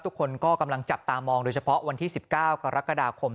ทุกคนก็กำลังจับตามองโดยเฉพาะวันที่๑๙กรกฎาคม